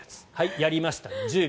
やりました、１０秒。